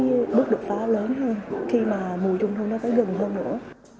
cái bước đột phá lớn hơn khi mà mùa trung thu nó sẽ gần hơn nữa